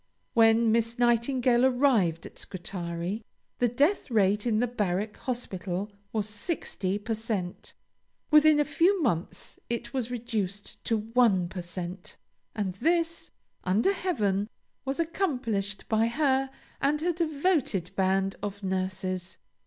When Miss Nightingale arrived at Scutari, the death rate in the Barrack Hospital was sixty per cent; within a few months it was reduced to one per cent; and this, under heaven, was accomplished by her and her devoted band of nurses.